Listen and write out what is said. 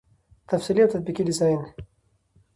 تفصیلي او تطبیقي ډيزاين